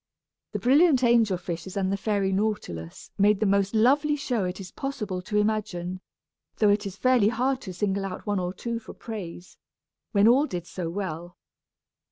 The brilliant angel fishes and the fairy nautilus made the most lovely show it is possible to imagine; though it is hardly fair to single out one or two for praise, when all did so well.